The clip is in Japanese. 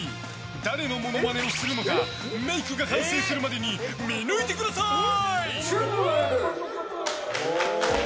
誰のモノマネをするのかメイクが完成するまでに見抜いてください。